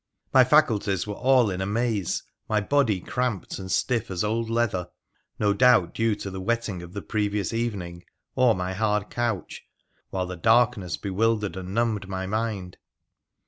My faculties were all in a maze, my body cramped and stiff as old leather — no doubt due to the wetting of the previous evening, or my hard couch — while the darkness bewildered and numbed my mind.